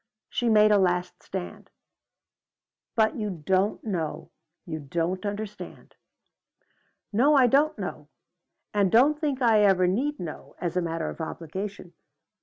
She made a last stand. "But you don't know. You don't understand." "No, I don't know. And don't think I ever need know, as a matter of obligation.